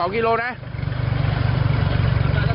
๒๒กิโลเมตรนะ